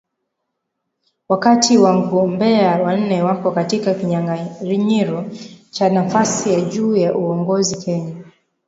Wakati wagombea wanne wako katika kinyang’anyiro cha nafasi ya juu ya uongozi Kenya,